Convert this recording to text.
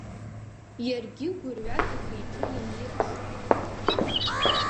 Иаргьы гәырҩак ихы-иҿы ианирԥшуам.